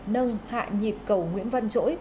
nâng hạ nhịp cầu nguyễn văn chỗi